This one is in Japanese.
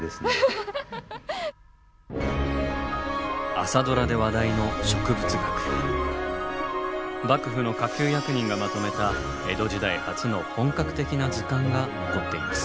「朝ドラ」で話題の幕府の下級役人がまとめた江戸時代初の本格的な図鑑が残っています。